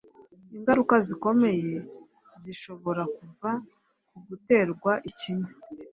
Ingaruka zikomeye zishobora kuva ku guterwa ikinya